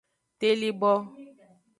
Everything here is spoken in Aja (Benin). Telibo.